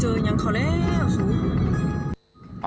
เจอนังเขาแล้ว